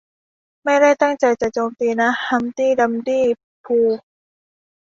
ไม่ได้ตั้งใจจะโจมตีนะ ฮัมตี้ ดัมตี้ พูก